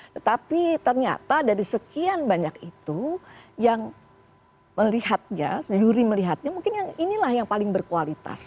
tetapi ternyata dari sekian banyak itu yang melihatnya sendiri melihatnya mungkin yang inilah yang paling berkualitas